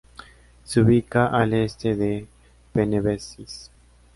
Se ubica al este de Panevėžys.